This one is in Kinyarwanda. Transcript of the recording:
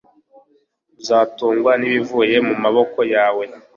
uzatungwa n'ibivuye mu maboko yawe